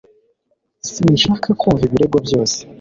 Sinshaka kumva ibirego byose